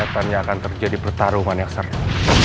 tanya akan terjadi pertarungan yang seru